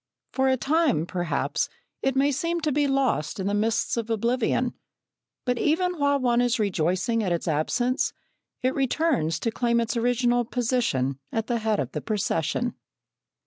For a time, perhaps, it may seem to be lost in the mists of oblivion, but even while one is rejoicing at its absence it returns to claim its original position at the head of the procession.